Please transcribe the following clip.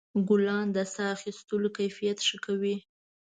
ګلان د ساه اخیستلو کیفیت ښه کوي.